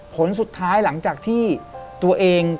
ผลสุดท้ายหลังจากที่ตัวเอง